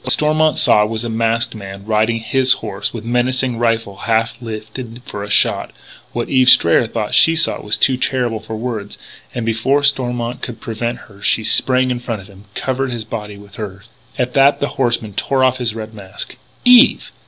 What Stormont saw was a masked man, riding his own horse, with menacing rifle half lifted for a shot! What Eve Strayer thought she saw was too terrible for words. And before Stormont could prevent her she sprang in front of him, covering his body with her own. At that the horseman tore off his red mask: "Eve!